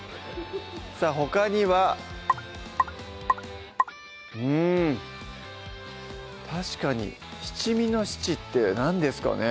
さぁほかにはうん確かに七味の七って何ですかね？